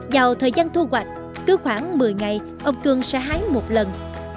vào thời gian thu hoạch cứ khoảng một mươi ngày ông cương sẽ hái một lần